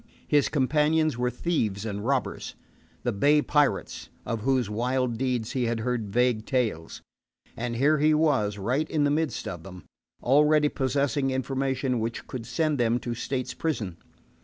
His companions were thieves and robbers the bay pirates, of whose wild deeds he had heard vague tales. And here he was, right in the midst of them, already possessing information which could send them to State's prison.